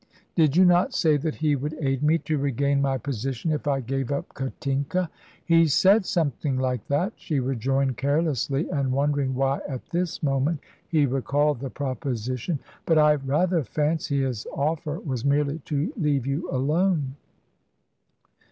"Did you not say that he would aid me to regain my position, if I gave up Katinka?" "He said something like that," she rejoined carelessly, and wondering why at this moment he recalled the proposition. "But I rather fancy his offer was merely to leave you alone."